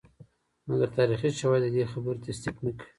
مګر تاریخي شواهد ددې خبرې تصدیق نه کوي.